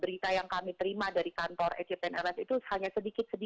berita yang kami terima dari kantor eciten rs itu hanya sedikit sedikit